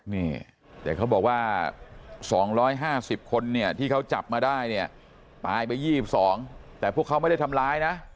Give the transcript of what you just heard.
นี่แต่เขาบอกว่า๒๕๐คนเนี่ยที่เขาจับมาได้เนี่ยตายไป๒๒แต่พวกเขาไม่ได้ทำร้ายนะ